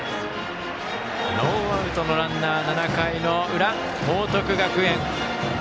ノーアウトのランナー、７回の裏報徳学園。